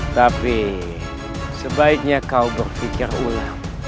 tapi sebaiknya kau berpikir ulang